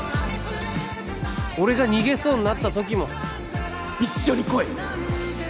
俺が逃げそうになった時も一緒に来い